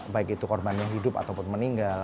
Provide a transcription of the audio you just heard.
baik itu korban yang hidup ataupun meninggal